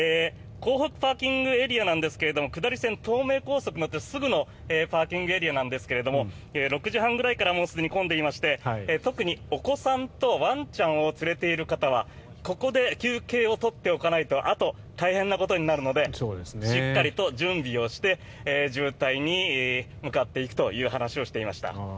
港北ＰＡなんですが下り線東名高速に乗ってすぐのパーキングエリアですが６時半ぐらいからすでに混んでいまして特にお子さんとワンちゃんを連れている方はここで休憩を取っておかないとあと、大変なことになるのでしっかりと準備をして渋滞に向かっていくという話をしていました。